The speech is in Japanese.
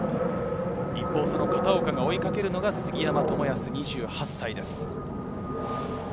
一方、片岡が追いかけるのが杉山知靖、２８歳です。